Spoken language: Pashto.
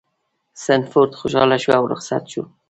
سنډفورډ خوشحاله شو او رخصت شو.